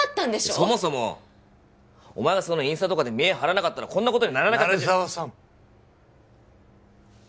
そもそもお前がそんなインスタとかで見栄張らなかったらこんなことにならなかった鳴沢さん